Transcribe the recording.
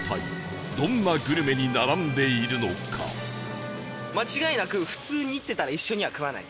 一体間違いなく普通に生きてたら一緒には食わない。